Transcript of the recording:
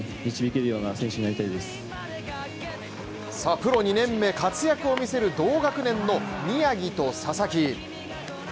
プロ２年目、活躍を見せる同学年の宮城と佐々木。